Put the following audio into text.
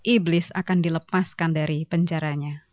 iblis akan dilepaskan dari penjaranya